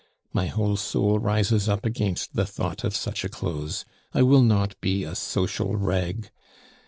My whole soul rises up against the thought of such a close; I will not be a social rag.